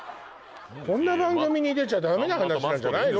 こんな番組に出ちゃダメな話なんじゃないの？